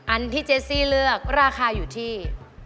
อันที่เจสซี่เลือกราคาอยู่ที่